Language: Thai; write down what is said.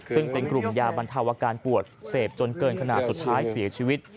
ซึ่งเป็นกลุ่มยาบรรเทาอาการปวดเสพจนเกินขนาดสุดท้ายเสียชีวิต